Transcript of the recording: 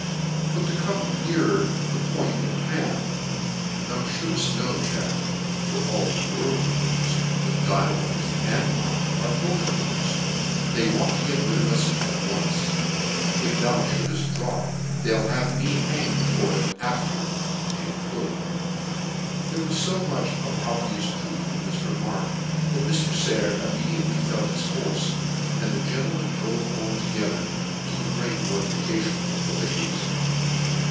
Bet to come nearer to the point in ' hand. Thou Ihouldft know Jack, for all the " world knows, that thy wife and mine are both * e whores. They want to get rid of us at once. If thou fhouldft drop, they'll have me hanged ' for it after." There was I'o much of obvious truth in this remark, that Mr. Sayer immedi ately felt its force, and the gcnclemen drove home together, 'to the great mortification of the ladies.